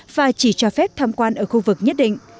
và chỉ cho phép tham quan ở khu vực nhất định